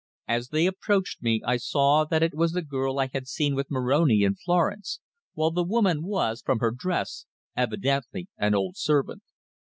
As they approached me I saw that it was the girl I had seen with Moroni in Florence, while the woman was, from her dress, evidently an old servant.